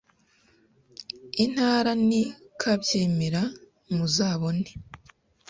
Intara ni kabyemera muzabone